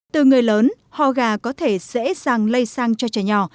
từ người lớn ho gà có thể dễ dàng lây sang cho trẻ nhỏ